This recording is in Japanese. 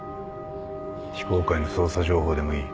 非公開の捜査情報でもいい。